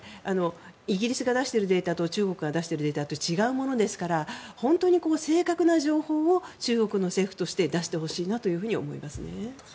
イギリスが出しているデータと中国が出しているデータと違うものですから本当に正確な情報を中国の政府として出してほしいなと思います。